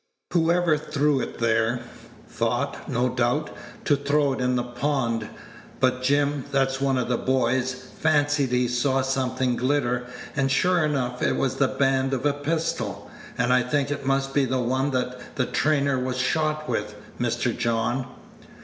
Whoever threw it there, thought, no doubt, to throw it in the pond; but Jim, that's one of the boys, fancied he saw something glitter, and sure enough it was the band of a pistol; and I think it must be the one that the trainer was shot with, Mr. John."